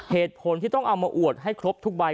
เหตุผลที่ต้องเอามาอวดให้ครบทุกใบ